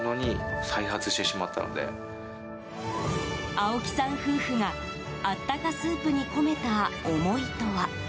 青木さん夫婦があったかスープに込めた思いとは。